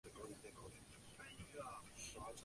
新店线蕨为水龙骨科线蕨属下的一个种。